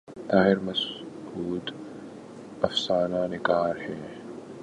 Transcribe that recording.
طاہر مسعود افسانہ نگار ہیں۔